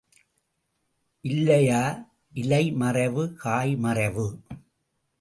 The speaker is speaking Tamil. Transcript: இல்லையா இலை மறைவு, காய் மறைவு?